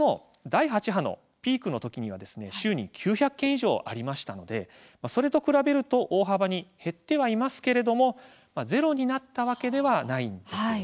年末の第８波ピークの時にも週に９００件以上ありましたのでそれと比べると大幅に減ってはいますがゼロになったわけではないんです。